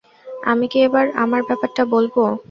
আমি কি এবার আমার ব্যাপারটা বলব?